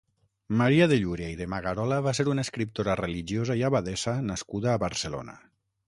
Maria de Llúria i de Magarola va ser una escriptora religiosa i abadessa nascuda a Barcelona.